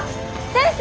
先生！